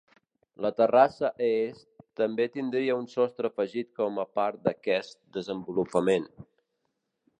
La terrassa est també tindria un sostre afegit com a part d'aquest desenvolupament.